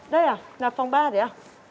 đây à là phòng ba đấy à